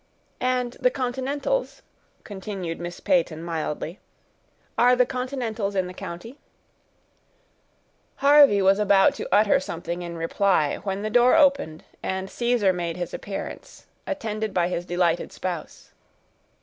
"And the continentals," continued Miss Peyton mildly, "are the continentals in the county?" Harvey was about to utter something in reply, when the door opened, and Caesar made his appearance, attended by his delighted spouse.